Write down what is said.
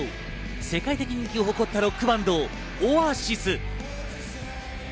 世界的人気を誇ったロックバンド、オアシス。